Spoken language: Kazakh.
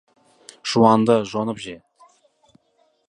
Жуанды жонып же.